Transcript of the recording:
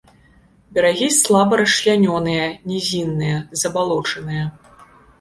Берагі слаба расчлянёныя, нізінныя, забалочаныя.